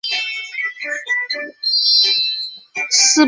根据结构还可细分为可调压式和固定式。